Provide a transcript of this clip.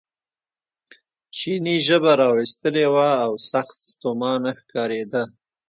چیني ژبه را ویستلې وه او سخت ستومانه ښکارېده.